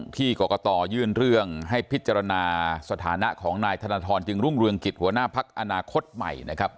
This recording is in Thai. ที่กรกตยื่นเรื่องให้พิจารณาสถานะของนายธนทรจึงรุ่งเรืองกิจหัวหน้าพักอนาคตใหม่นะครับ